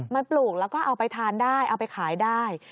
มันปลูกแล้วก็เอาไปทานได้เอาไปขายได้